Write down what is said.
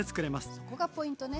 そこがポイントね。